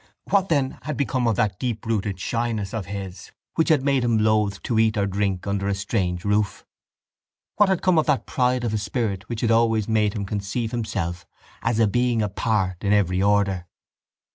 What, then, had become of that deeprooted shyness of his which had made him loth to eat or drink under a strange roof? What had come of the pride of his spirit which had always made him conceive himself as a being apart in every order?